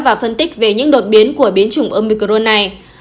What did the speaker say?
và phân tích về những đột biến của biến chủng omicron này